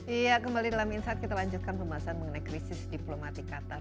iya kembali dalam insight kita lanjutkan pembahasan mengenai krisis diplomatik qatar